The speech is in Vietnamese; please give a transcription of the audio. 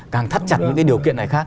càng thắt chặt những cái điều kiện này khác